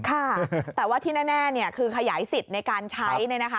ค่ะแต่ว่าที่แน่คือขยายสิทธิ์ในการใช้เนี่ยนะคะ